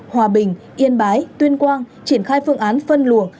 hòa bình yên bái tuyên quang triển khai phương án phân luồng